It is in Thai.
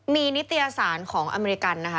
มีนิตยสารของอเมริกันนะคะ